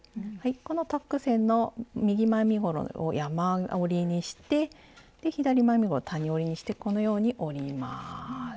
このタック線の右前身ごろを山折りにしてで左前身ごろ谷折りにしてこのように折ります。